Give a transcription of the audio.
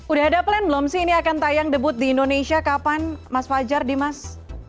udah ada plan belum sih ini akan tayang debut di indonesia kapan mas fajar dimas